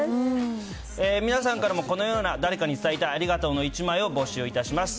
皆さんからもこのような誰かに伝えたいありがとうの１枚を募集いたします。